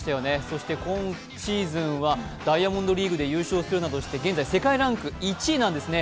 そして今シーズンはダイヤモンドリーグで優勝するなどして現在、世界ランク１位なんですね。